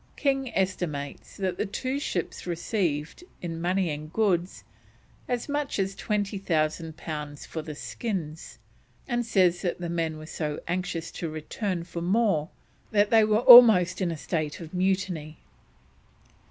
King estimates that the two ships received, in money and goods, as much as 2000 pounds for the skins, and says that the men were so anxious to return for more that they were almost in a state of mutiny.